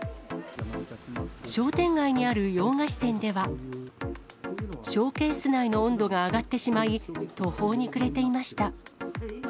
商店街にある洋菓子店では、ショーケース内の温度が上がってしまい、途方に暮れていました。